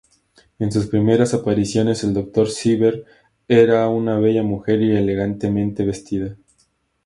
En sus primeras apariciones, el "Doctor Cyber" era una bella mujer y elegantemente vestida.